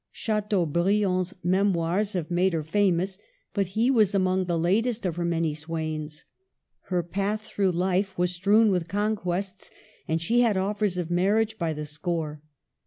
Chateaubriand's memoirs have made her famous, but he was among the latest of her many swains. Her path through life was strewn with conquests, and she had offers of marriage by the score.